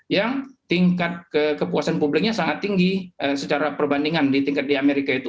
yang tingkat kepuasan publiknya sangat tinggi secara perbandingan di tingkat di amerika itu